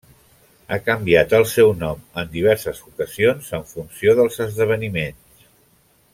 Ha canviat el seu nom en diverses ocasions en funció dels esdeveniments.